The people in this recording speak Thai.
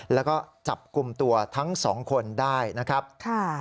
แล้วก็จับกลุ่มตัวทั้งสองคนได้นะครับค่ะ